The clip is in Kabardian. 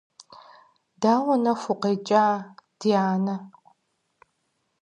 Дауэ нэху укъекӀа, ди анэ?